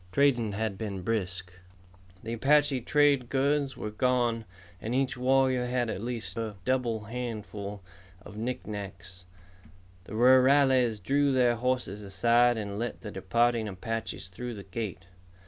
Trading had been brisk. The Apache trade goods were gone and each warrior had at least a double handful of knickknacks. The rurales drew their horses aside and let the departing Apaches through the gate.